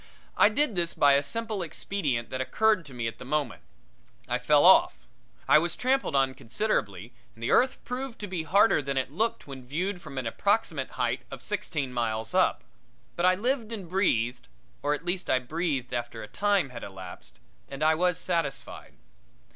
I did this by a simple expedient that occurred to me at the moment. I fell off. I was tramped on considerably, and the earth proved to be harder than it looked when viewed from an approximate height of sixteen miles up, but I lived and breathed or at least I breathed after a time had elapsed and I was satisfied.